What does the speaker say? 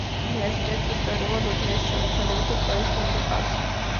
უნივერსიტეტს ისტორიულად უძლიერესი შემოქმედებითი კვლევის გუნდი ჰყავს.